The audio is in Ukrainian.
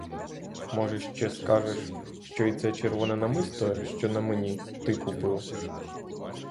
Може, ще скажеш, що й це червоне намисто, що на мені, ти купив?